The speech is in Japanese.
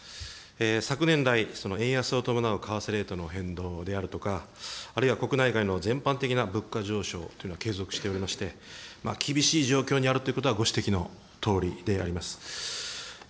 昨年来、円安を伴う為替レートの変動であるとか、あるいは国内外の全般的な物価上昇というのを継続しておりまして、厳しい状況にあるということは、ご指摘のとおりであります。